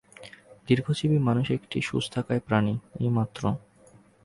দীর্ঘজীবী মানুষ একটি সুস্থকায় প্রাণী, এইমাত্র।